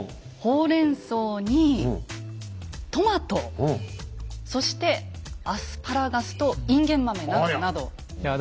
ホウレンソウにトマトそしてアスパラガスとインゲン豆などなど。